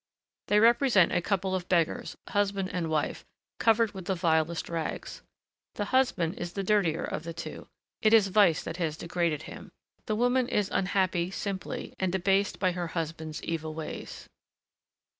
They represent a couple of beggars, husband and wife, covered with the vilest rags. The husband is the dirtier of the two: it is vice that has degraded him; the woman is unhappy simply and debased by her husband's evil ways.